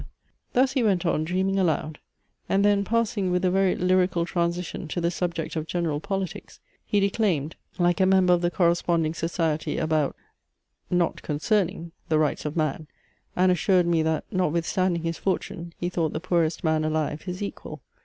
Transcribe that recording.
Thus he went on dreaming aloud, and then passing with a very lyrical transition to the subject of general politics, he declaimed, like a member of the Corresponding Society, about, (not concerning,) the Rights of Man, and assured me that, notwithstanding his fortune, he thought the poorest man alive his equal.